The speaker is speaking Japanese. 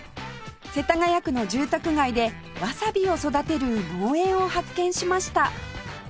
世田谷区の住宅街でわさびを育てる農園を発見しました